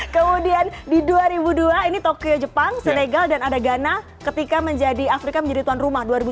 kemudian di dua ribu dua ini tokyo jepang senegal dan ada ghana ketika menjadi afrika menjadi tuan rumah dua ribu dua puluh